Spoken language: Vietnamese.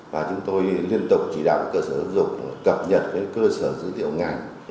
và chúng tôi liên tục chỉ đạo cơ sở giáo dục cập nhật cơ sở dữ liệu ngành